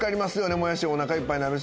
もやしお腹いっぱいなるし。